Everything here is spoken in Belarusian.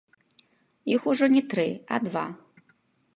Іх ужо не тры, а два.